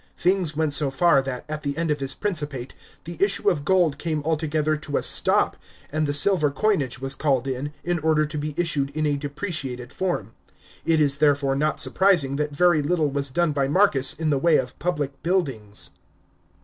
Things went so far that, at the end of his principate, the issue of gold came altogether to a stop, and the silver coinage was called in, in order to be issued in a depreciated form. It is, therefore, not surprising that very little was done by Marcus in the way of public buildings.